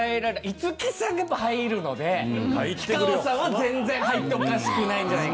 五木さんが入るので氷川さんは全然入っておかしくないんじゃないかと。